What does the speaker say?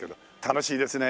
楽しいですね。